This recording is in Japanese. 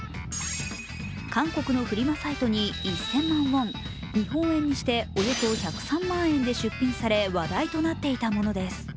韓国のフリマサイトに１０００万ウォン、日本円にしておよそ１０３万円で出品され話題となっていたものです。